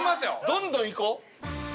どんどんいこう！